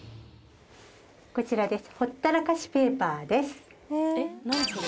こちらです。